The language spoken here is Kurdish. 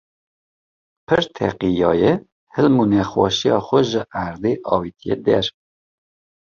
pir teqiyaye, hilm û nexweşiya xwe ji erdê avitiye der